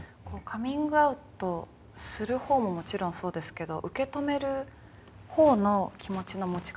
カミングアウトする方ももちろんそうですけど受け止める方の気持ちの持ち方だったりですとか。